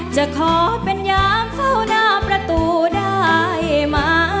จะขอเป็นยามเฝ้าหน้าประตูได้มา